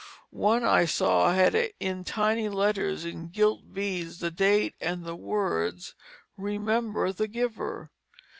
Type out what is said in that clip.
One I saw had in tiny letters in gilt beads the date and the words "Remember the Giver."